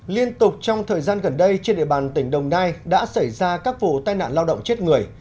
liên tục trong thời gian gần đây trên địa bàn tỉnh đồng nai đã xảy ra các vụ tai nạn lao động chết người